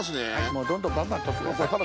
もうどんどんバンバン取ってください。